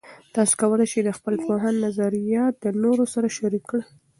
تاسې کولای سئ د خپل پوهاند نظریات د نورو سره شریک کړئ.